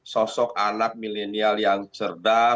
sosok anak milenial yang cerdas yang sikap